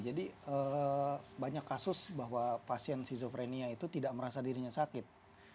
jadi banyak kasus bahwa pasien schizophrenia itu tidak merasa dirinya sakit